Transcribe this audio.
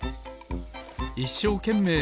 いっしょうけんめい